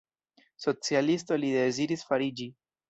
Socialisto li deziris fariĝi.